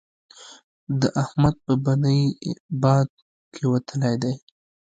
د احمد په بنۍ باد کېوتلی دی.